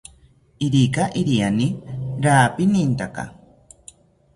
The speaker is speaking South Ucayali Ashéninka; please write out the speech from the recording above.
Irika iriani rirapintaka